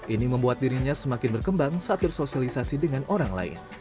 ini membuat dirinya semakin berkembang saat bersosialisasi dengan orang lain